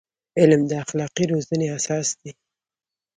علم د اخلاقي روزنې اساس دی.